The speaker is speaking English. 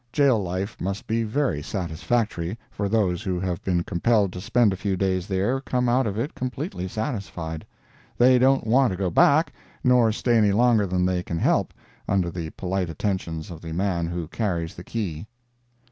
Jail life must be very satisfactory, for those who have been compelled to spend a few days there come out of it completely satisfied. They don't want to go back, nor stay any longer than they can help, under the polite attentions of the man who carries the key.